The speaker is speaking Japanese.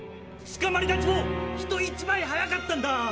つかまり立ちも人一倍早かった。